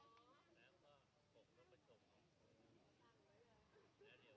สวัสดีครับ